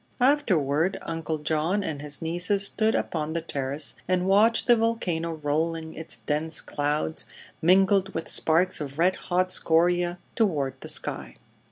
Afterward Uncle John and his nieces stood upon the terrace and watched the volcano rolling its dense clouds, mingled with sparks of red hot scoria, toward the sky.